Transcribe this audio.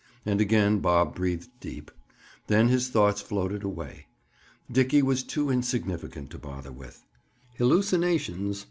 And again Bob breathed deep. Then his thoughts floated away. Dickie was too insignificant to bother with. "Hallucinations!"